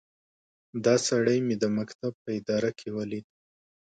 دا سړی مې د مکتب په اداره کې وليد.